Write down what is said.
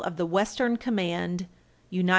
216 of the Western Command, U.S.